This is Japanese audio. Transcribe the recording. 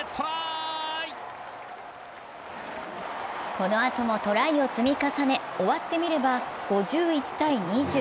このあともトライを積み重ね終わってみれば５１−２０。